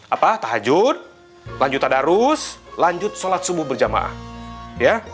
apa tahajud lanjut tadarus lanjut sholat subuh berjamaah ya